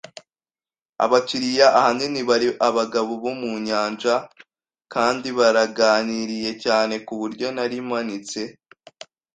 Abakiriya ahanini bari abagabo bo mu nyanja, kandi baraganiriye cyane kuburyo narimanitse